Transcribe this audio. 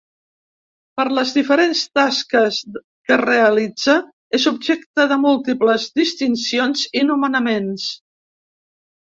Per les diferents tasques que realitza, és objecte de múltiples distincions i nomenaments.